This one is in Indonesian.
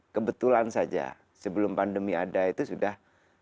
kebetulan saja sebelum pandemi ada itu sudah